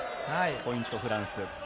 ポイント、フランス。